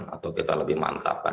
atau kita lebih mantapkan